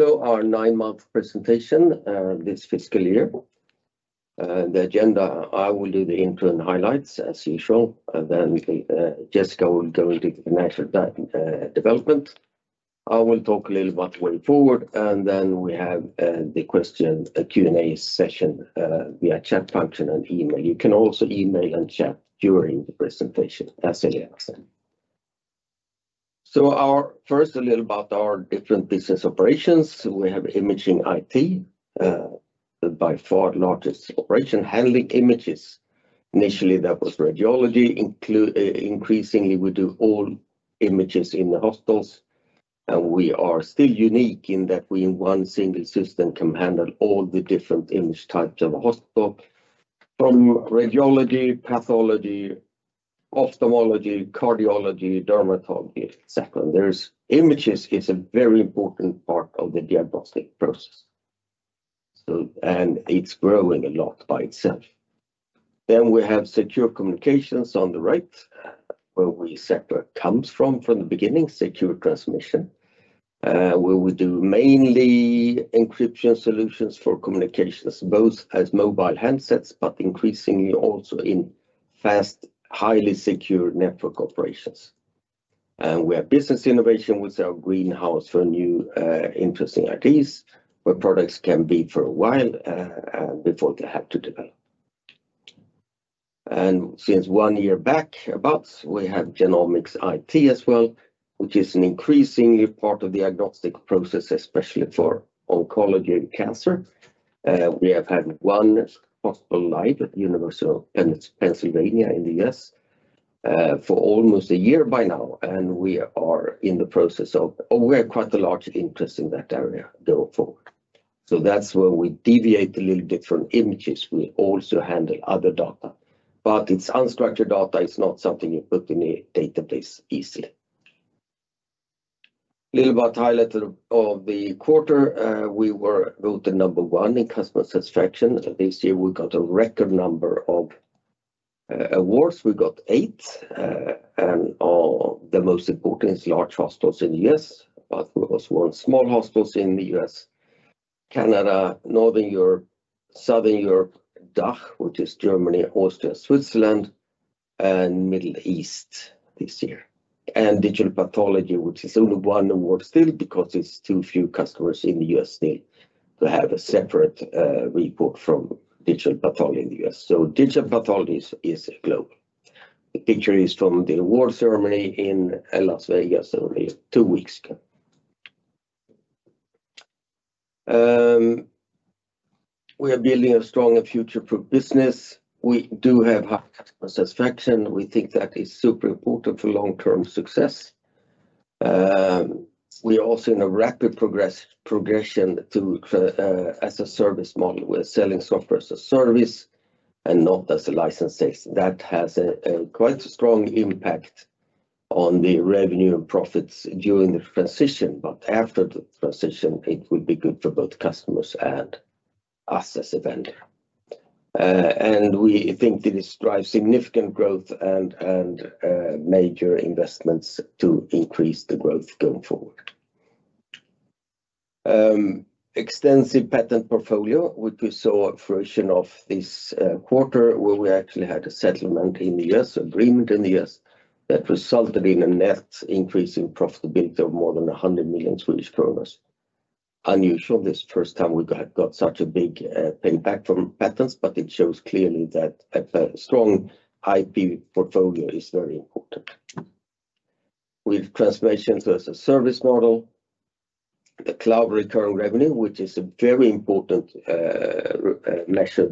Our nine-month presentation this fiscal year. The agenda: I will do the intro and highlights, as you shown. Jessica will go into financial development. I will talk a little about the way forward, and we have the question Q&A session via chat function and email. You can also email and chat during the presentation, as Elias said. First, a little about our different business operations. We have Imaging IT, the by far largest operation handling images. Initially, that was radiology. Increasingly, we do all images in the hospitals. We are still unique in that we, in one single system, can handle all the different image types of the hospital, from radiology, pathology, ophthalmology, cardiology, dermatology, etc. There are images; it is a very important part of the diagnostic process. It is growing a lot by itself. We have Secure Communications on the right, where we separate comms from the beginning, secure transmission, where we do mainly encryption solutions for communications, both as mobile handsets, but increasingly also in fast, highly secure network operations. We have Business Innovation, which is our greenhouse for new, interesting ideas, where products can be for a while before they have to develop. Since one year back, about, we have Genomics IT as well, which is an increasingly part of diagnostic process, especially for oncology and cancer. We have had one hospital live at University of Pennsylvania in the U.S. for almost a year by now. We are in the process of, or we have quite a large interest in that area going forward. That is where we deviate a little bit from images. We also handle other data. But it is unstructured data. It's not something you put in a database easily. A little about highlight of the quarter, we were number one in customer satisfaction. This year, we got a record number of awards. We got eight. The most important is large hospitals in the U.S., but we also won small hospitals in the U.S., Canada, Northern Europe, Southern Europe, DACH, which is Germany, Austria, Switzerland, and Middle East this year. Digital Pathology, which is only one award still, because there's too few customers in the U.S. still to have a separate report from Digital Pathology in the U.S. Digital Pathology is global. The picture is from the award ceremony in Las Vegas only two weeks ago. We are building a strong and future-proof business. We do have high customer satisfaction. We think that is super important for long-term success. We are also in a rapid progression to as a service model. We're selling software as a service and not as a license. That has a quite strong impact on the revenue and profits during the transition. After the transition, it would be good for both customers and us as a vendor. We think that it drives significant growth and major investments to increase the growth going forward. Extensive patent portfolio, which we saw a version of this quarter, where we actually had a settlement in the U.S., agreement in the U.S., that resulted in a net increase in profitability of more than 100 million Swedish kronor. Unusual, this first time we got such a big payback from patents, but it shows clearly that a strong IP portfolio is very important. We have transformation to as a service model, the cloud recurring revenue, which is a very important measure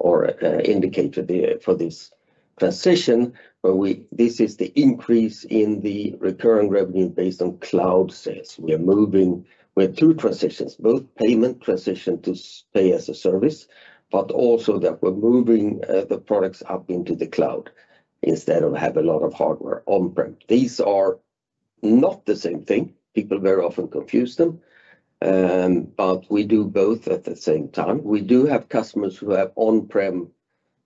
or indicator for this transition. This is the increase in the recurring revenue based on cloud sales. We are moving, we have two transitions, both payment transition to pay as a service, but also that we're moving the products up into the cloud instead of having a lot of hardware on-prem. These are not the same thing. People very often confuse them. We do both at the same time. We do have customers who have on-prem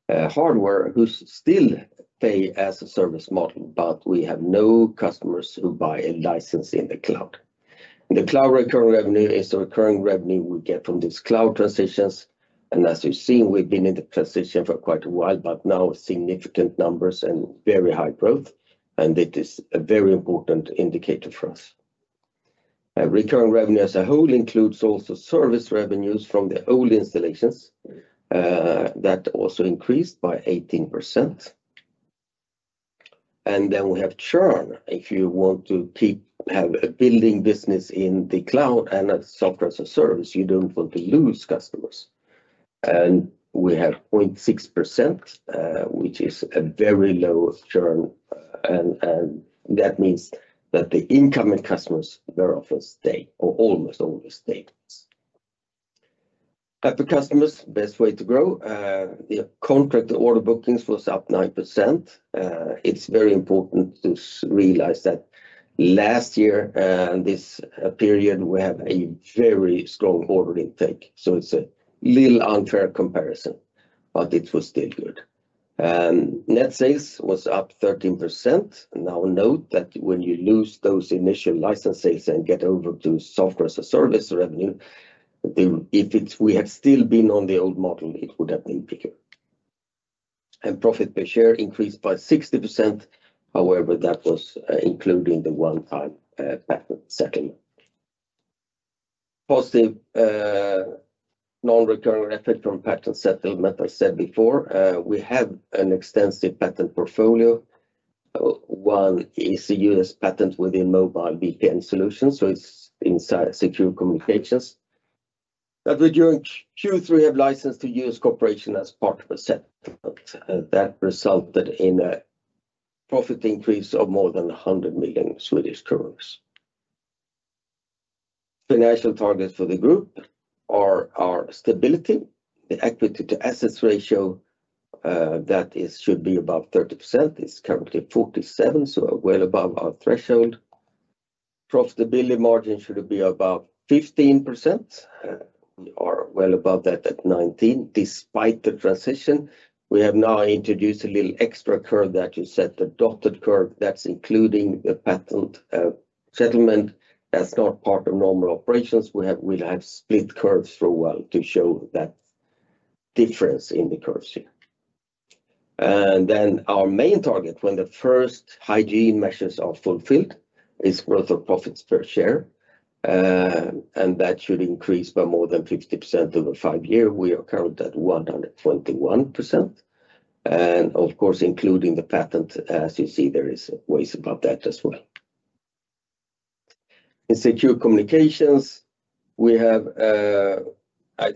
hardware who still pay as a service model, but we have no customers who buy a license in the cloud. The cloud recurring revenue is the recurring revenue we get from these cloud transitions. As you've seen, we've been in the transition for quite a while, but now significant numbers and very high growth. It is a very important indicator for us. Recurring revenue as a whole includes also service revenues from the old installations. That also increased by 18%. We have churn. If you want to keep building business in the cloud and a software as a service, you do not want to lose customers. We have 0.6%, which is a very low churn. That means that the incoming customers very often stay, or almost always stay. Happy customers, best way to grow. The contract order bookings was up 9%. It is very important to realize that last year, this period, we have a very strong order intake. It is a little unfair comparison, but it was still good. Net sales was up 13%. Now note that when you lose those initial license sales and get over to software as a service revenue, if we had still been on the old model, it would have been bigger. Profit per share increased by 60%. However, that was including the one-time patent settlement. Positive non-recurring effect from patent settlement, as I said before. We have an extensive patent portfolio. One is the U.S. patent within mobile VPN solutions. It is inside Secure Communications. During Q3 we have licensed to U.S. corporation as part of a set that resulted in a profit increase of more than 100 million. Financial targets for the group are our stability, the equity to assets ratio that should be above 30%. It is currently 47%, so well above our threshold. Profitability margin should be above 15%. We are well above that at 19%, despite the transition. We have now introduced a little extra curve that you said, the dotted curve that is including the patent settlement as not part of normal operations. We will have split curves for a while to show that difference in the curves here. Our main target, when the first hygiene measures are fulfilled, is growth of profits per share. That should increase by more than 50% over five years. We are currently at 121%. Of course, including the patent, as you see, there is ways above that as well. In Secure Communications, it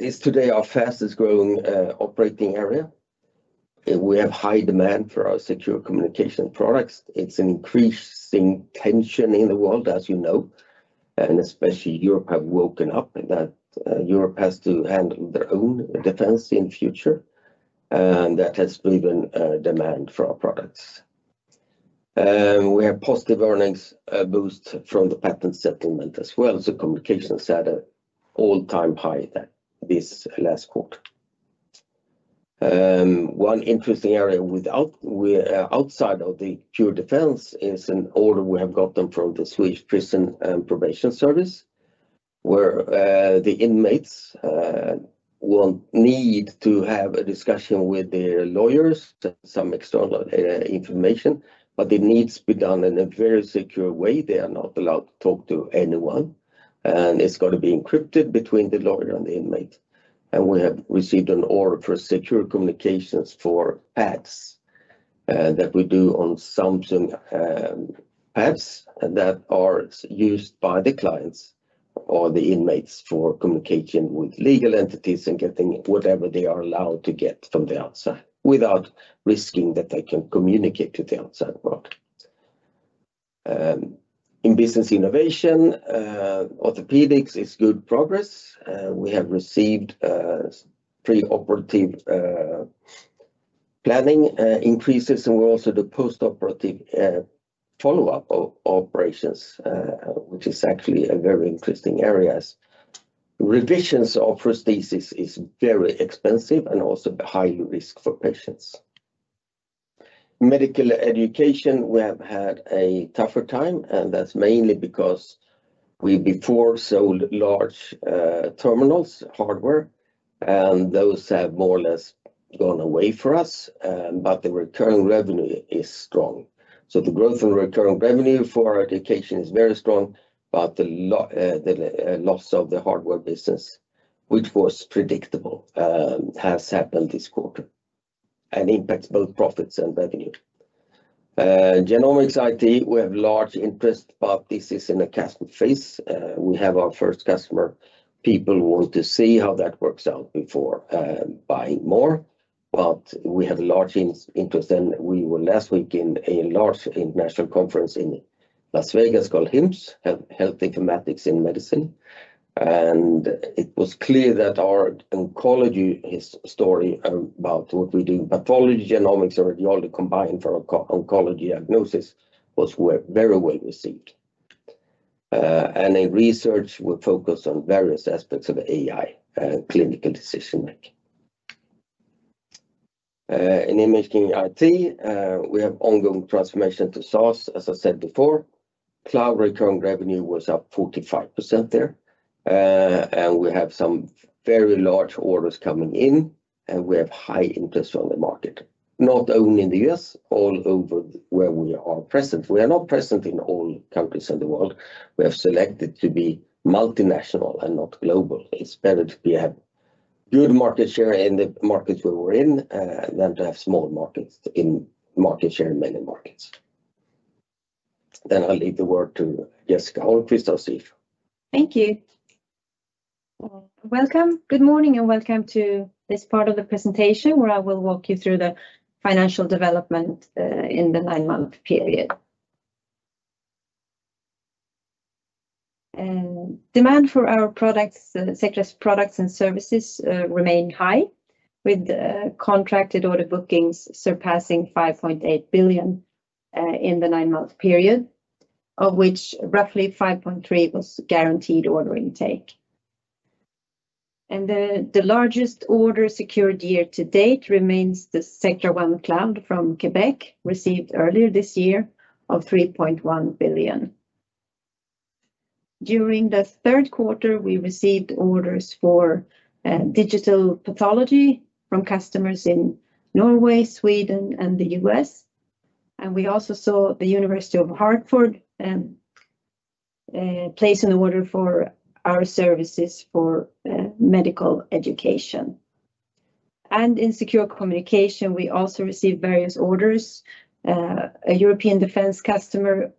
is today our fastest growing operating area. We have high demand for our Secure Communication products. It is an increasing tension in the world, as you know. Especially Europe has woken up that Europe has to handle their own defense in the future. That has driven demand for our products. We have positive earnings boost from the patent settlement as well. Secure Communications had an all-time high this last quarter. One interesting area outside of the pure defense is an order we have gotten from the Swedish Prison and Probation Service, where the inmates will need to have a discussion with their lawyers, some external information, but it needs to be done in a very secure way. They are not allowed to talk to anyone. It has got to be encrypted between the lawyer and the inmate. We have received an order for Secure Communications for apps that we do on Samsung Tabs that are used by the clients or the inmates for communication with legal entities and getting whatever they are allowed to get from the outside without risking that they can communicate to the outside world. In Business Innovation, Orthopaedics is good progress. We have received pre-operative planning increases, and we're also the post-operative follow-up operations, which is actually a very interesting area. Revisions of prosthesis is very expensive and also highly risky for patients. Medical Education, we have had a tougher time, and that's mainly because we before sold large terminals hardware, and those have more or less gone away for us, but the recurring revenue is strong. The growth and recurring revenue for our education is very strong, but the loss of the hardware business, which was predictable, has happened this quarter and impacts both profits and revenue. Genomics IT, we have large interest, but this is in a customer phase. We have our first customer. People want to see how that works out before buying more, but we have a large interest. We were last week in a large international conference in Las Vegas called HIMSS, Health Informatics in Medicine. It was clear that our oncology story about what we do in pathology, genomics, and radiology combined for oncology diagnosis was very well received. In research, we focus on various aspects of AI and clinical decision making. In Imaging IT, we have ongoing transformation to SaaS, as I said before. Cloud recurring revenue was up 45% there. We have some very large orders coming in, and we have high interest on the market, not only in the U.S., all over where we are present. We are not present in all countries in the world. We have selected to be multinational and not global. It is better to have good market share in the markets where we are in than to have small market share in many markets. I will leave the word to Jessica Holmquist, our CFO. Thank you. Welcome. Good morning and welcome to this part of the presentation where I will walk you through the financial development in the nine-month period. Demand for our products, Sectra's products and services remain high, with contracted order bookings surpassing 5.8 billion in the nine-month period, of which roughly 5.3 billion was guaranteed order intake. The largest order secured year to date remains the Sectra One Cloud from Québec, received earlier this year of 3.1 billion. During the third quarter, we received orders for Digital Pathology from customers in Norway, Sweden, and the U.S. We also saw the University of Hartford place an order for our services for medical education. In Secure Communication, we also received various orders. A European defense customer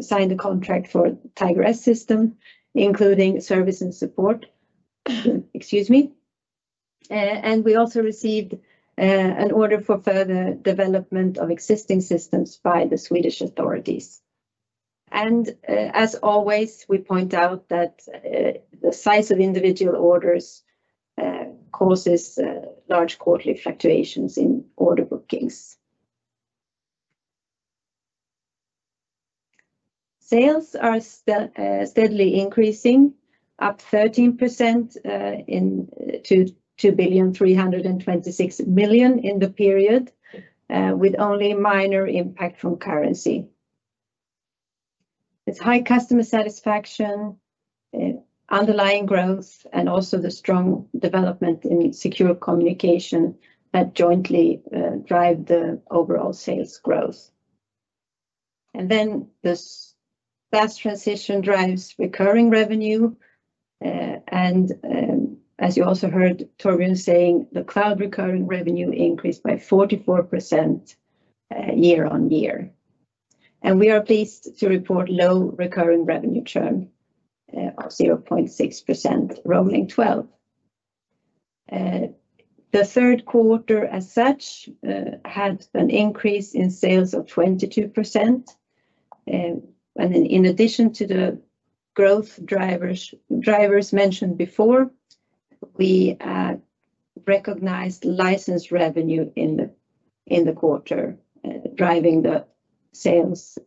signed a contract for Tiger/S system, including service and support. Excuse me. We also received an order for further development of existing systems by the Swedish authorities. As always, we point out that the size of individual orders causes large quarterly fluctuations in order bookings. Sales are steadily increasing, up 13% to 2,326 million in the period, with only minor impact from currency. It is high customer satisfaction, underlying growth, and also the strong development in Secure Communication that jointly drive the overall sales growth. This fast transition drives recurring revenue. As you also heard Torbjörn saying, the cloud recurring revenue increased by 44% year-on-year. We are pleased to report low recurring revenue churn of 0.6%, rolling 12. The third quarter as such had an increase in sales of 22%. In addition to the growth drivers mentioned before, we recognized license revenue in the quarter driving the sales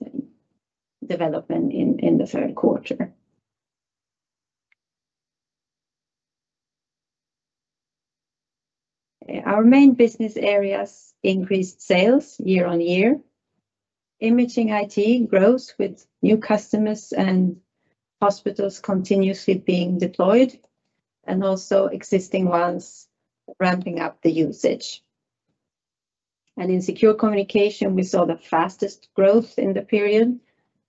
development in the third quarter. Our main business areas increased sales year-on-year. Imaging IT grows with new customers and hospitals continuously being deployed, and also existing ones ramping up the usage. In Secure Communication, we saw the fastest growth in the period,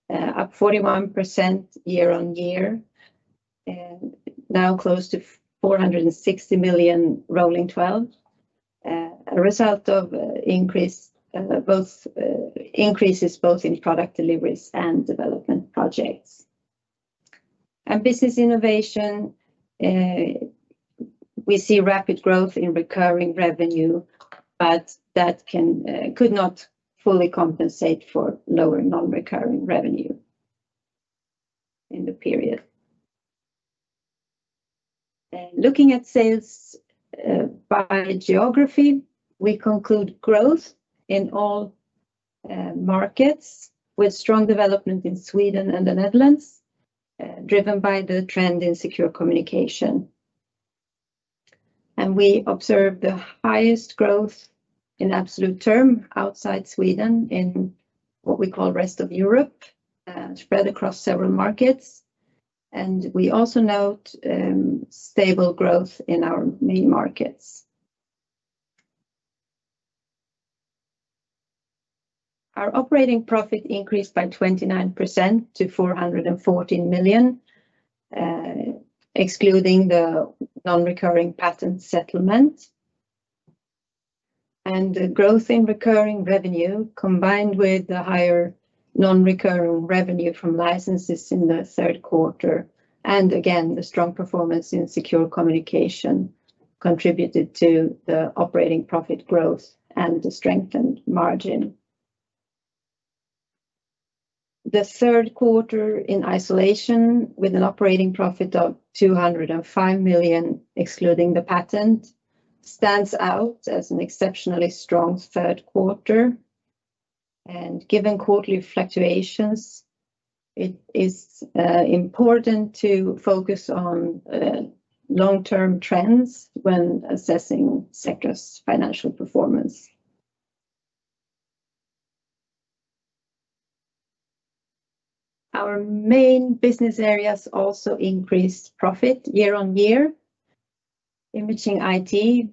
up 41% year-on-year, and now close to 460 million rolling 12, a result of increases both in product deliveries and development projects. In Business Innovation, we see rapid growth in recurring revenue, but that could not fully compensate for lower non-recurring revenue in the period. Looking at sales by geography, we conclude growth in all markets with strong development in Sweden and the Netherlands, driven by the trend in Secure Communication. We observe the highest growth in absolute term outside Sweden in what we call Rest of Europe, spread across several markets. We also note stable growth in our main markets. Our operating profit increased by 29% to 414 million, excluding the non-recurring patent settlement. The growth in recurring revenue combined with the higher non-recurring revenue from licenses in the third quarter, and again, the strong performance in Secure Communication contributed to the operating profit growth and the strengthened margin. The third quarter in isolation with an operating profit of 205 million, excluding the patent, stands out as an exceptionally strong third quarter. Given quarterly fluctuations, it is important to focus on long-term trends when assessing Sectra's financial performance. Our main business areas also increased profit year-on-year. Imaging IT,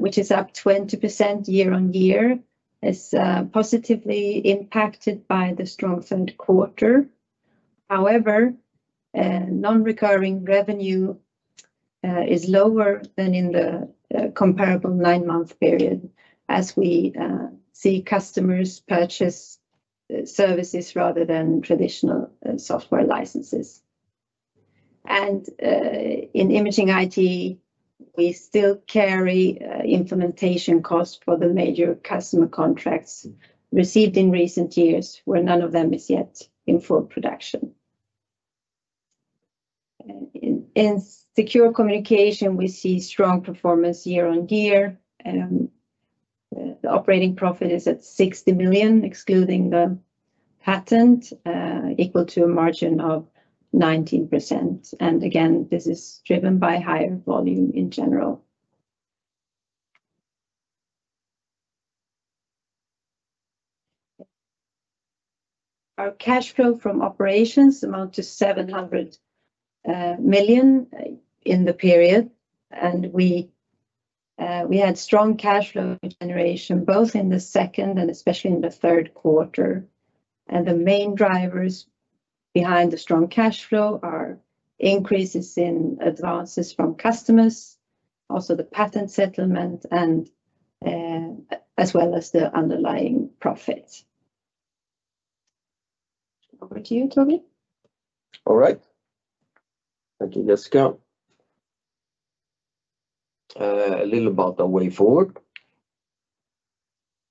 which is up 20% year-on-year, is positively impacted by the strong third quarter. However, non-recurring revenue is lower than in the comparable nine-month period, as we see customers purchase services rather than traditional software licenses. In Imaging IT, we still carry implementation costs for the major customer contracts received in recent years, where none of them is yet in full production. In Secure Communication, we see strong performance year-on-year. The operating profit is at 60 million, excluding the patent, equal to a margin of 19%. This is driven by higher volume in general. Our cash flow from operations amounted to 700 million in the period. We had strong cash flow generation both in the second and especially in the third quarter. The main drivers behind the strong cash flow are increases in advances from customers, also the patent settlement, as well as the underlying profits. Over to you, Torbjörn. Thank you, Jessica. A little about our way forward.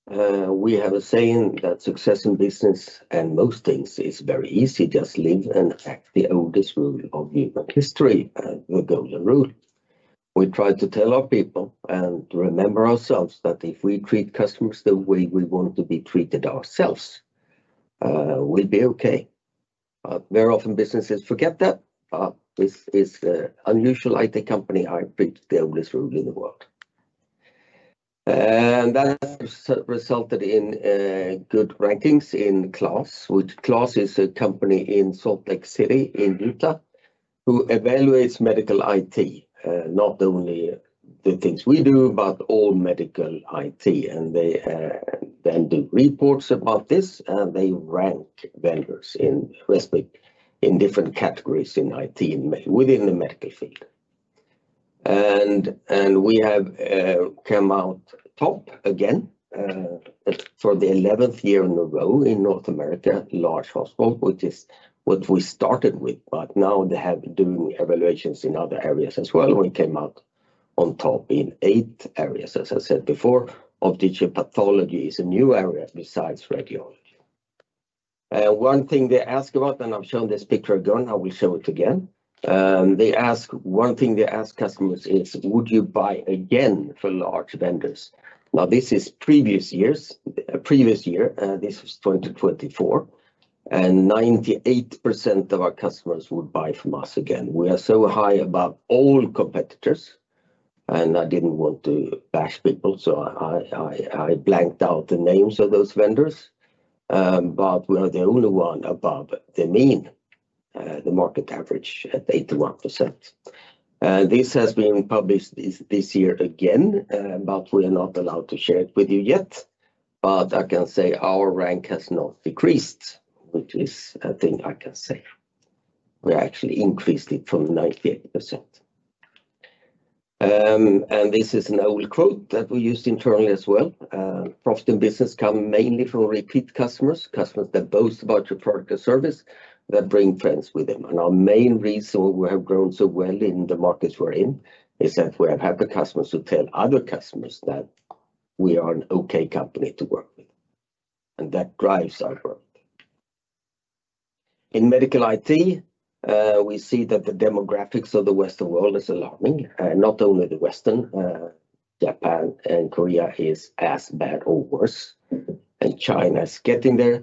We have a saying that success in business and most things is very easy. Just live and act the oldest rule of human history, the golden rule. We try to tell our people and remember ourselves that if we treat customers the way we want to be treated ourselves, we'll be okay. Very often businesses forget that. This is the unusual IT company. I preach the oldest rule in the world. That has resulted in good rankings in KLAS, which is a company in Salt Lake City in Utah who evaluates medical IT, not only the things we do, but all medical IT. They then do reports about this, and they rank vendors in different categories in IT within the medical field. We have come out top again for the 11th year in a row in North America, large hospital, which is what we started with. Now they have been doing evaluations in other areas as well. We came out on top in eight areas, as I said before, of Digital Pathology is a new area besides Radiology. One thing they ask about, and I have shown this picture again, I will show it again. One thing they ask customers is, would you buy again for large vendors? Now, this is previous years. This was 2024, and 98% of our customers would buy from us again. We are so high above all competitors, and I did not want to bash people, so I blanked out the names of those vendors. We are the only one above the mean, the market average at 81%. This has been published this year again, but we are not allowed to share it with you yet. I can say our rank has not decreased, which is a thing I can say. We actually increased it from 98%. This is an old quote that we used internally as well. Profit in business comes mainly from repeat customers, customers that boast about your product or service that bring friends with them. Our main reason we have grown so well in the markets we're in is that we have happy customers who tell other customers that we are an okay company to work with. That drives our growth. In Medical IT, we see that the demographics of the Western world is alarming. Not only the Western, Japan and Korea is as bad or worse. China is getting there.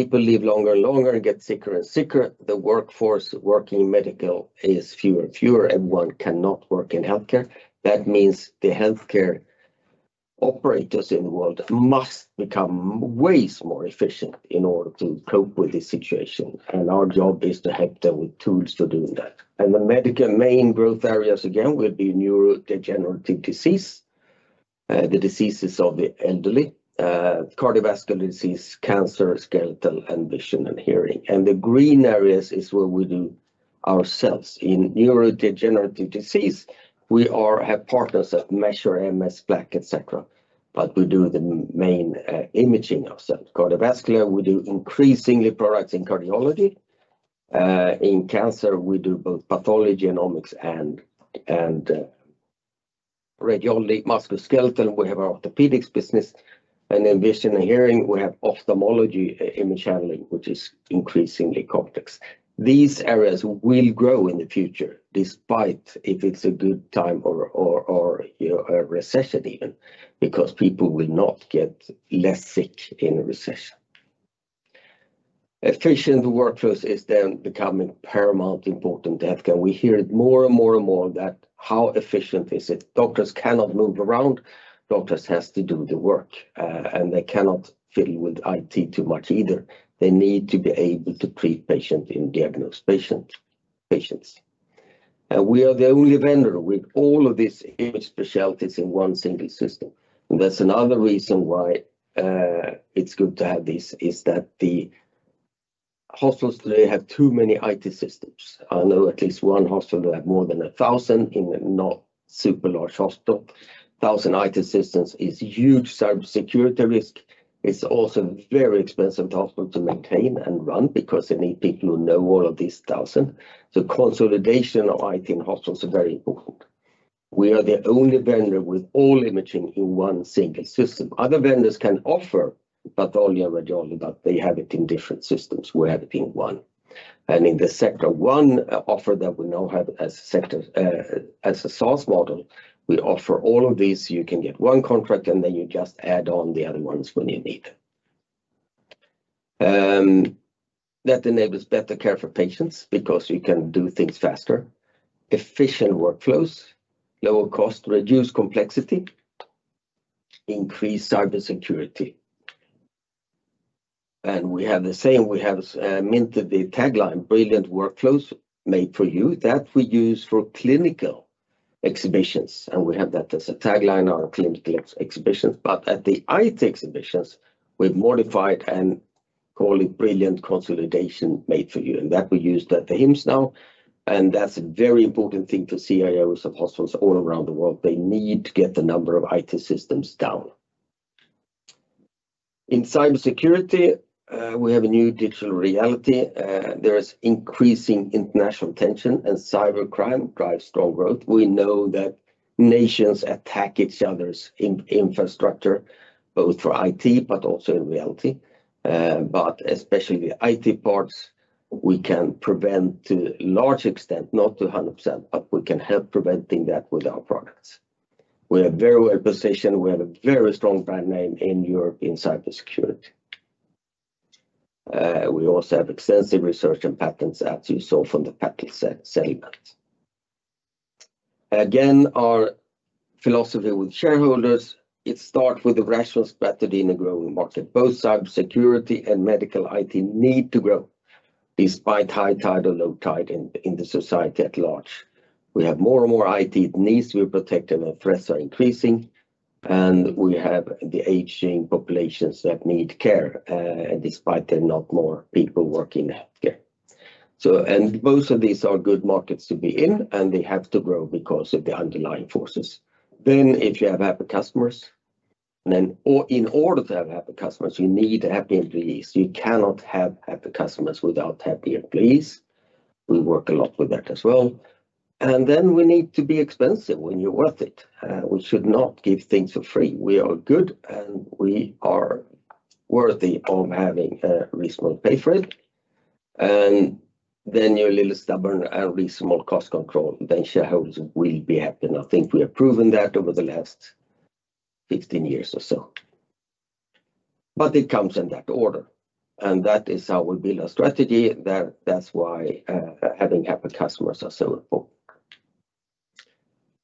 People live longer and longer and get sicker and sicker. The workforce working in medical is fewer and fewer. Everyone cannot work in healthcare. That means the healthcare operators in the world must become way more efficient in order to cope with this situation. Our job is to help them with tools to do that. The medical main growth areas again will be neurodegenerative disease, the diseases of the elderly, cardiovascular disease, cancer, skeletal, and vision and hearing. The green areas is where we do ourselves. In neurodegenerative disease, we have partners that measure MS, plaque, etc. but we do the main imaging ourselves. Cardiovascular, we do increasingly products in cardiology. In cancer, we do both pathology and omics and radiology, musculoskeletal. We have our Orthopaedics business. In vision and hearing, we have ophthalmology image handling, which is increasingly complex. These areas will grow in the future, despite if it is a good time or a recession even, because people will not get less sick in a recession. Efficient workforce is then becoming paramount important. We hear it more and more and more that how efficient is it? Doctors cannot move around. Doctors have to do the work, and they cannot fiddle with IT too much either. They need to be able to treat patients and diagnose patients. We are the only vendor with all of these specialties in one single system. Another reason why it is good to have this is that the hospitals today have too many IT systems. I know at least one hospital that has more than 1,000 in a not super large hospital. 1,000 IT systems is a huge cybersecurity risk. It is also very expensive to hospitals to maintain and run because they need people who know all of these 1,000. Consolidation of IT in hospitals is very important. We are the only vendor with all imaging in one single system. Other vendors can offer pathology and radiology, but they have it in different systems. We have it in one. In the Sectra One offer that we now have as a SaaS model, we offer all of these. You can get one contract, and then you just add on the other ones when you need them. That enables better care for patients because you can do things faster, efficient workflows, lower cost, reduce complexity, increase cybersecurity. We have minted the tagline, "Brilliant workflows. Made for You," that we use for clinical exhibitions. We have that as a tagline on clinical exhibitions. At the IT exhibitions, we have modified and called it "Brilliant consolidation. Made for You." That we use at the HIMSS now. That is a very important thing to see in areas of hospitals all around the world. They need to get the number of IT systems down. In cybersecurity, we have a new digital reality. There is increasing international tension, and cybercrime drives strong growth. We know that nations attack each other's infrastructure, both for IT, but also in reality. Especially the IT parts, we can prevent to a large extent, not to 100%, but we can help preventing that with our products. We are very well positioned. We have a very strong brand name in Europe in cybersecurity. We also have extensive research and patents as you saw from the patent settlement. Again, our philosophy with shareholders, it starts with the rational strategy in a growing market. Both cybersecurity and medical IT need to grow despite high tide, low tide in the society at large. We have more and more IT needs to be protected, and threats are increasing. We have the aging populations that need care, despite there not more people working in healthcare. Both of these are good markets to be in, and they have to grow because of the underlying forces. If you have happy customers, then in order to have happy customers, you need happy employees. You cannot have happy customers without happy employees. We work a lot with that as well. We need to be expensive when you're worth it. We should not give things for free. We are good, and we are worthy of having a reasonable pay for it. You are a little stubborn and reasonable cost control. Then shareholders will be happy. I think we have proven that over the last 15 years or so. It comes in that order. That is how we build our strategy. That is why having happy customers is so important.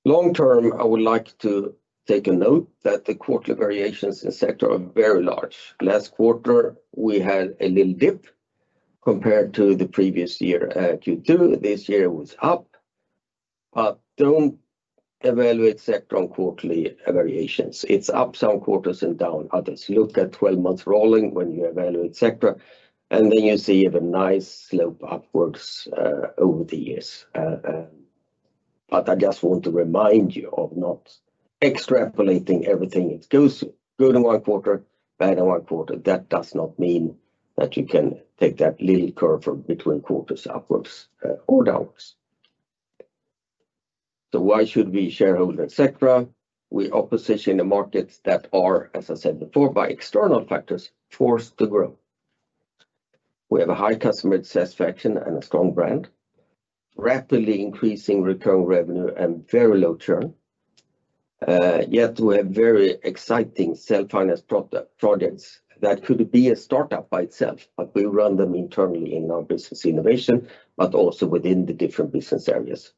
Long term, I would like to take a note that the quarterly variations in Sectra are very large. Last quarter, we had a little dip compared to the previous year Q2. This year it was up. Do not evaluate Sectra on quarterly variations. It is up some quarters and down others. Look at 12 months rolling when you evaluate Sectra, and then you see a nice slope upwards over the years. I just want to remind you of not extrapolating everything. It goes good in one quarter, bad in one quarter. That does not mean that you can take that little curve from between quarters upwards or downwards. Why should we, as shareholders, etc.? We are positioned in markets that are, as I said before, by external factors forced to grow. We have a high customer satisfaction and a strong brand, rapidly increasing recurring revenue and very low churn. Yet we have very exciting self-financed projects that could be a startup by itself, but we run them internally in our Business Innovation, but also within the different business areas.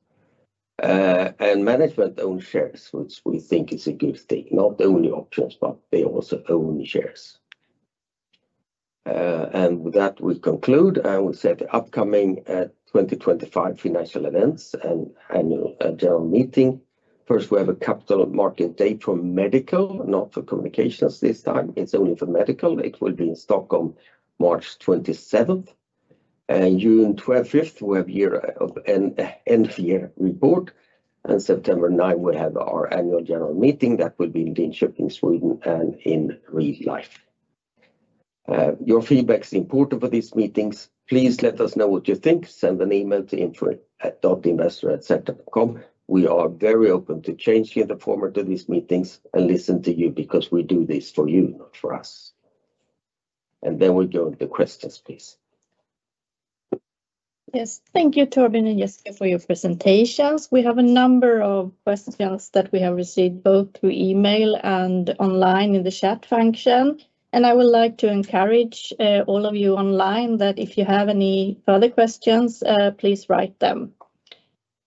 Management owns shares, which we think is a good thing. Not only options, but they also own shares. With that, we conclude. We set the upcoming 2025 financial events and annual general meeting. First, we have a capital market date for medical, not for communications this time. It is only for medical. It will be in Stockholm, March 27th. June 12th, we have year-end report. September 9th, we have our annual general meeting that will be in Linköping, Sweden, and in real life. Your feedback is important for these meetings. Please let us know what you think. Send an email to info.investor@sectra.com. We are very open to changing the format of these meetings and listen to you because we do this for you, not for us. We go into questions, please. Yes, thank you, Torbjörn and Jessica, for your presentations. We have a number of questions that we have received both through email and online in the chat function. I would like to encourage all of you online that if you have any further questions, please write them.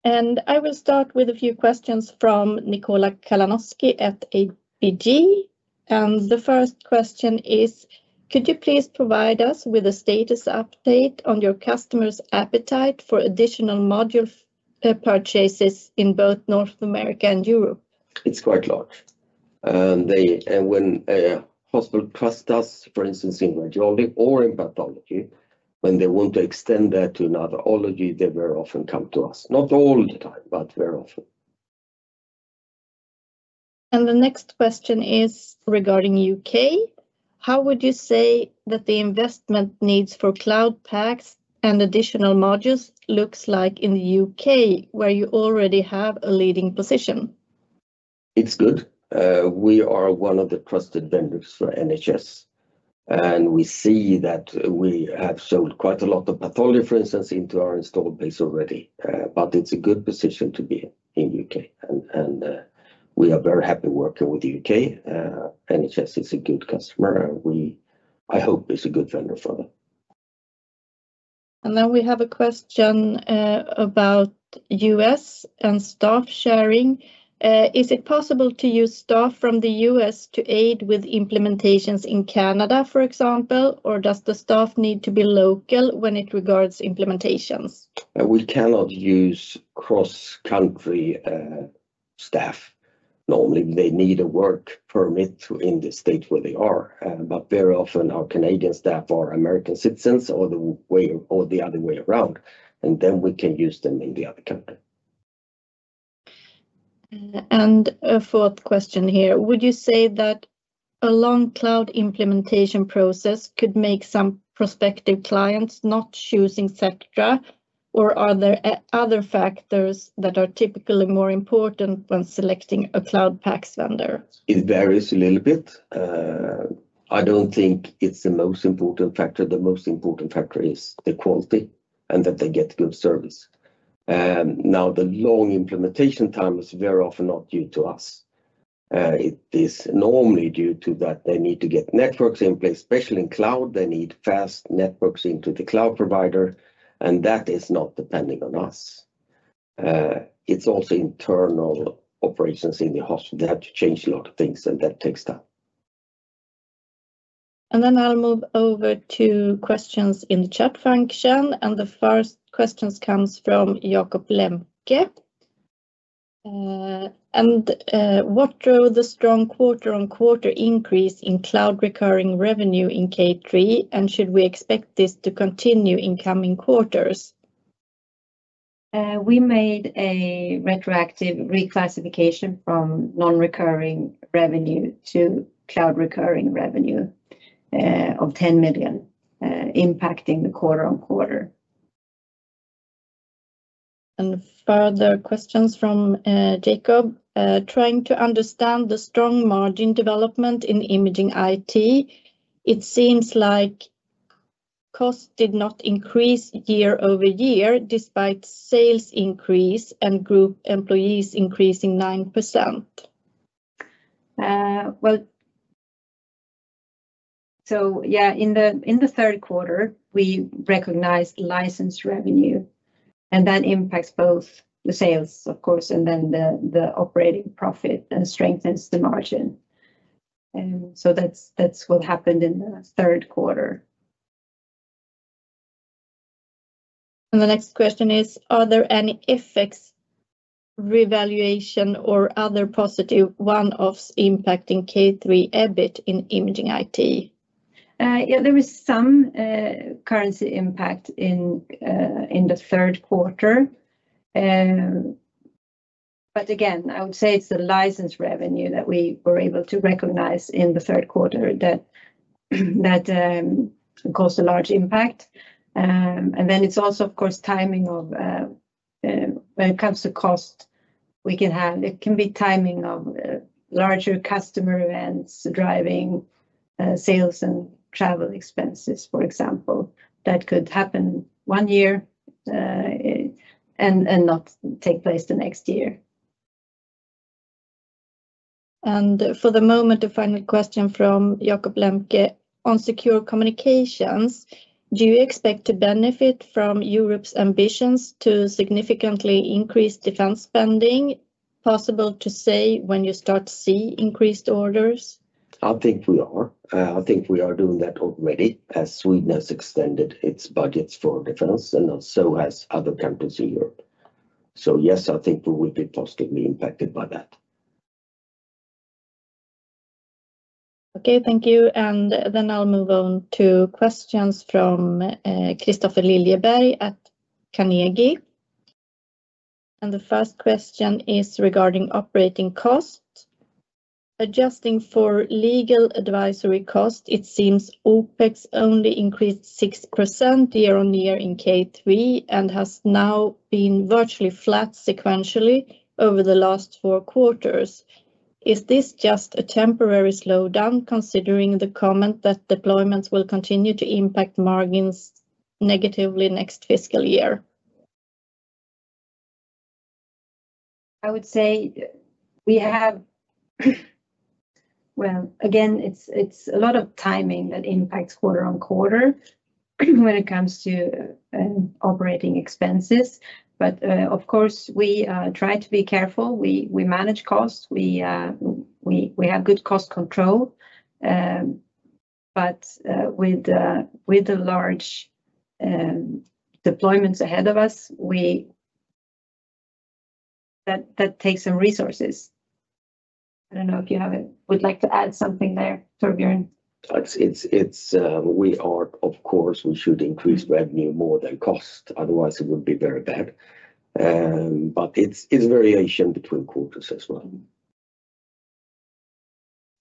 I will start with a few questions from Nikola Kalanoski at ABG. The first question is, could you please provide us with a status update on your customers' appetite for additional module purchases in both North America and Europe? It's quite large. When a hospital trusts us, for instance, in radiology or in pathology, when they want to extend that to another ology, they very often come to us. Not all the time, but very often. The next question is regarding the U.K. How would you say that the investment needs for Cloud PACS and additional modules looks like in the U.K., where you already have a leading position? It's good. We are one of the trusted vendors for NHS. We see that we have sold quite a lot of pathology, for instance, into our installed base already. It's a good position to be in the U.K., and we are very happy working with the U.K. NHS is a good customer. I hope it's a good vendor for them. We have a question about the U.S. and staff sharing. Is it possible to use staff from the U.S. to aid with implementations in Canada, for example? Or does the staff need to be local when it regards implementations? We cannot use cross-country staff. Normally, they need a work permit in the state where they are. Very often, our Canadian staff are American citizens or the other way around. Then we can use them in the other country. A fourth question here. Would you say that a long Cloud implementation process could make some prospective clients not choosing Sectra? Are there other factors that are typically more important when selecting a Cloud PACS vendor? It varies a little bit. I do not think it is the most important factor. The most important factor is the quality and that they get good service. The long implementation time is very often not due to us. It is normally due to that they need to get networks in place, especially in Cloud. They need fast networks into the Cloud provider. That is not depending on us. It is also internal operations in the hospital. They have to change a lot of things, and that takes time. I will move over to questions in the chat function. The first question comes from Jakob Lembke. What drove the strong quarter-on-quarter increase in Cloud recurring revenue in Q3? Should we expect this to continue in coming quarters? We made a retroactive reclassification from non-recurring revenue to Cloud recurring revenue of 10 million, impacting the quarter-on-quarter. Further questions from Jakob. Trying to understand the strong margin development in Imaging IT, it seems like cost did not increase year over year despite sales increase and group employees increasing 9%. Yeah, in the third quarter, we recognized license revenue. That impacts both the sales, of course, and then the operating profit and strengthens the margin. That is what happened in the third quarter. The next question is, are there any effects, revaluation, or other positive one-offs impacting Q3 EBIT in Imaging IT? There was some currency impact in the third quarter. Again, I would say it is the license revenue that we were able to recognize in the third quarter that caused a large impact. It is also, of course, timing of when it comes to cost. We can have timing of larger customer events driving sales and travel expenses, for example. That could happen one year and not take place the next year. For the moment, a final question from Jakob Lembke. On Secure Communications, do you expect to benefit from Europe's ambitions to significantly increase defense spending? Possible to say when you start to see increased orders? I think we are. I think we are doing that already as Sweden has extended its budgets for defense and also has other countries in Europe. Yes, I think we will be positively impacted by that. Okay, thank you. I will move on to questions from Kristofer Liljeberg at Carnegie. The first question is regarding operating costs. Adjusting for legal advisory cost, it seems OpEx only increased 6% year-on-year in Q3 and has now been virtually flat sequentially over the last four quarters. Is this just a temporary slowdown considering the comment that deployments will continue to impact margins negatively next fiscal year? I would say we have, again, it's a lot of timing that impacts quarter-on-quarter when it comes to operating expenses. Of course, we try to be careful. We manage costs. We have good cost control. With the large deployments ahead of us, that takes some resources. I don't know if you would like to add something there, Torbjörn. We are, of course, we should increase revenue more than cost. Otherwise, it would be very bad. It's variation between quarters as well.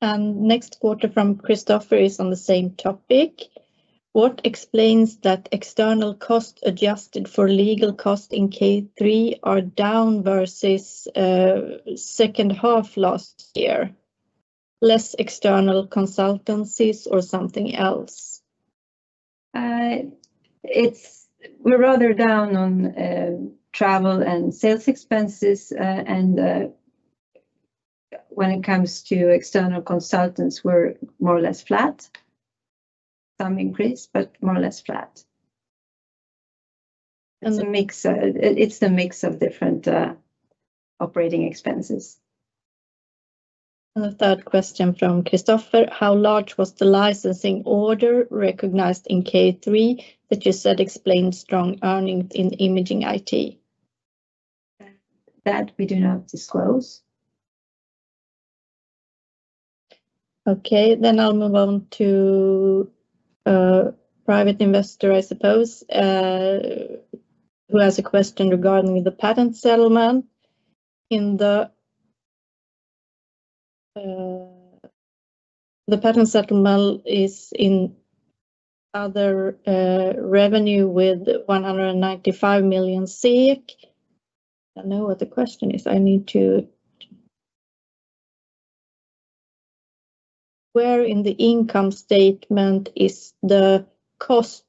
Next quarter from Kristofer is on the same topic. What explains that external cost adjusted for legal cost in Q3 are down versus second half last year? Less external consultancies or something else? We're rather down on travel and sales expenses. When it comes to external consultants, we're more or less flat. Some increase, but more or less flat. It's a mix of different operating expenses. The third question from Kristofer. How large was the licensing order recognized in Q3 that you said explained strong earnings in Imaging IT? That we do not disclose. Okay, I will move on to private investor, I suppose, who has a question regarding the patent settlement. The patent settlement is in other revenue with 195 million SEK. I know what the question is. I need to. Where in the income statement is the cost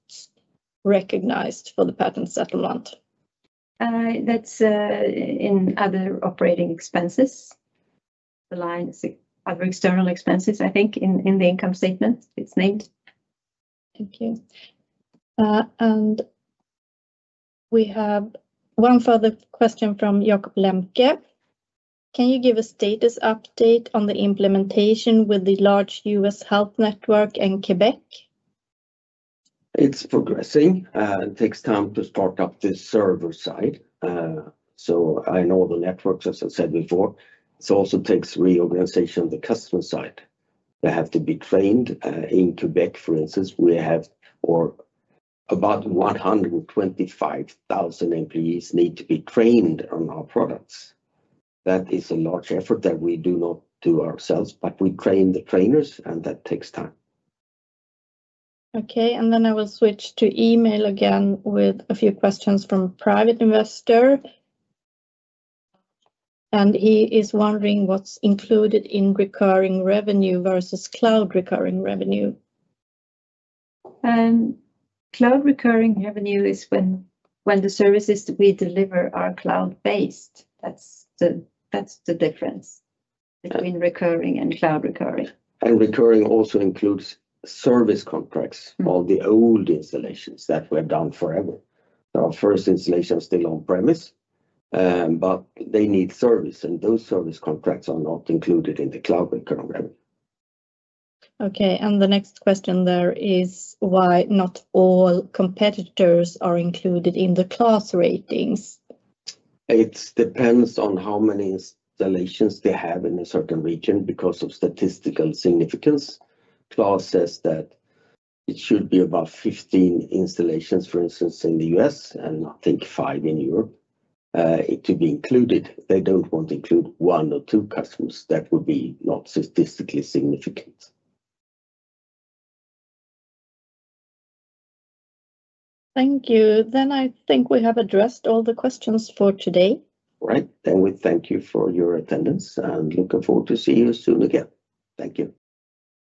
recognized for the patent settlement? That's in other operating expenses. The line is other external expenses, I think, in the income statement. It's named. Thank you. We have one further question from Jakob Lembke. Can you give a status update on the implementation with the large U.S. health network and Québec? It's progressing. It takes time to start up the server side. I know the networks, as I said before. It also takes reorganization on the customer side. They have to be trained. In Québec, for instance, we have about 125,000 employees need to be trained on our products. That is a large effort that we do not do ourselves, but we train the trainers, and that takes time. Okay, I will switch to email again with a few questions from private investor. He is wondering what's included in recurring revenue versus cloud recurring revenue. Cloud recurring revenue is when the services we deliver are cloud-based. That's the difference between recurring and cloud recurring. Recurring also includes service contracts, all the old installations that were done forever. Our first installation was still on-premise, but they need service. Those service contracts are not included in the cloud recurring revenue. Okay, the next question there is why not all competitors are included in the KLAS ratings? It depends on how many installations they have in a certain region because of statistical significance. KLAS says that it should be about 15 installations, for instance, in the U.S., and I think 5 in Europe, to be included. They do not want to include one or two customers. That would be not statistically significant. Thank you. I think we have addressed all the questions for today. All right. We thank you for your attendance and look forward to seeing you soon again. Thank you.